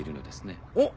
おっ。